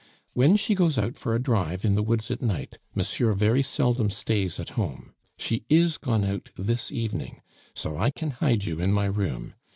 When she goes out for a drive in the woods at night, monsieur very seldom stays at home. She is gone out this evening, so I can hide you in my room.